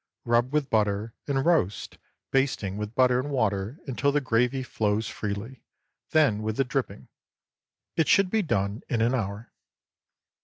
Rub with butter and roast, basting with butter and water until the gravy flows freely, then with the dripping. It should be done in an hour.